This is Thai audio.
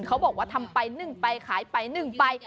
เขาบอกว่าทำไปนึ่งไปขายไปนึ่งไป